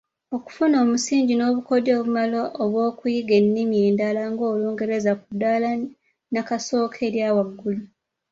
Okufuna omusingi n’obukodyo obumala obw’okuyiga ennimi endala ng’olungereza ku ddaala nnakasooka erya waggulu.